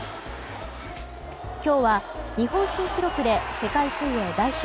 今日は日本新記録で世界水泳代表